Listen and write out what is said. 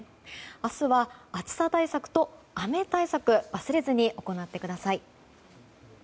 明日は暑さ対策と雨対策忘れずに行ってください。